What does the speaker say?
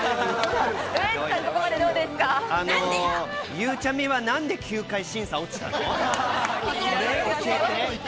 ゆうちゃみはなんで９回審査落ちたの？